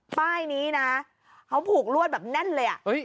ป้ายนี้นะเขาผูกลวดแบบแน่นเลยอ่ะ